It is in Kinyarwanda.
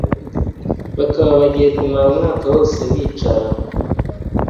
bakaba bagiye kumara umwaka wose bicarana!